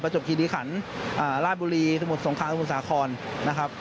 ประจบคีศดิขันป่าวลาบบุรีและสมุทรสงครามงมุมสาครนะครับ